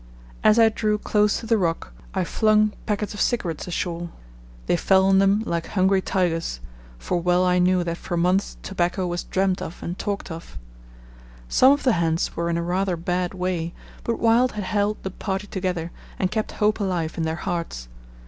As I drew close to the rock I flung packets of cigarettes ashore; they fell on them like hungry tigers, for well I knew that for months tobacco was dreamed of and talked of. Some of the hands were in a rather bad way, but Wild had held the party together and kept hope alive in their hearts.